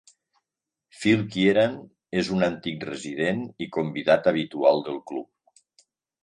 Phil Kieran és un antic resident i convidat habitual del club.